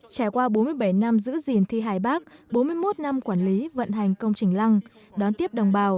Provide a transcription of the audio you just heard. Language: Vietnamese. trải qua bốn mươi bảy năm giữ gìn thi hài bắc bốn mươi một năm quản lý vận hành công trình lăng đón tiếp đồng bào